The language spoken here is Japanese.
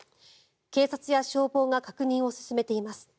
警察や消防が確認を進めています。